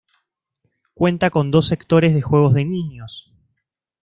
Cuenta con dos sectores de juegos de niños.